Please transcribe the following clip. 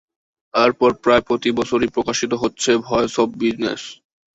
এরপর প্রায় প্রতিবছরই প্রকাশিত হচ্ছে ভয়েস অব বিজনেস।